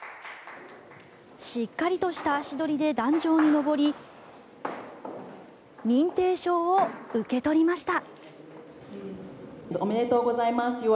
しっかりとした足取りで壇上に登り認定証を受け取りました。